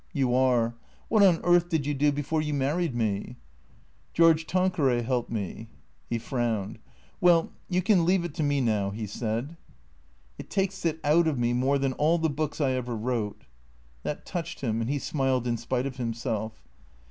"You are. What on earth did you do before you married me ?"" George Tanqueray helped me." He frowned. " Well, you can leave it to me now," he said. " It takes it out of me more than all the books I ever wrote." That touched him, and he smiled in spite of himself.